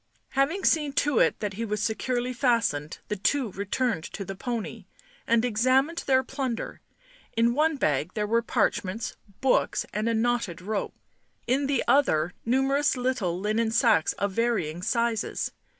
Having seen to it that he was securely fastened the two returned to the pony and examined their plunder. In one bag there were parchments, books, and a knotted rope, in the other numerous little linen sacks of varying sizes.